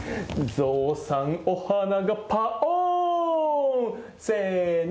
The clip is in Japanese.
「ゾウさんおはながパオン」せの。